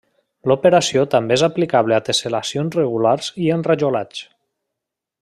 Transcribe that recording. L'operació també és aplicable a tessel·lacions regulars i enrajolats.